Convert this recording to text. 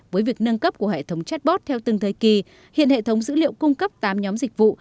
với việc nâng cấp của hệ thống chatbot theo từng thời kỳ hiện hệ thống dữ liệu cung cấp tám nhóm dịch vụ